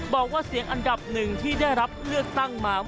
บอกว่าเสียงอันดับหนึ่งที่ได้รับเลือกตั้งมา